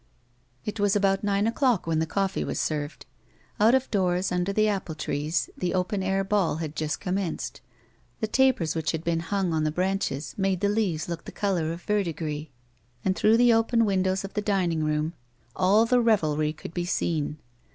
It was about nine o'clock when the coffee was served. Out of doors, under the apple ti'ees, the open air ball had just commenced ; the tapers which had been hung on the branches made the leaves look the colour of verdigris, and through the open windows of the dining room all the revelry could be seen.